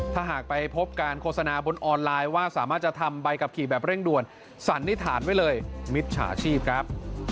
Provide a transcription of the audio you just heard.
ถ้าหากไปพบการโฆษณาบนออนไลน์ว่าสามารถจะทำใบขับขี่แบบเร่งด่วนสันนิษฐานไว้เลยมิจฉาชีพครับ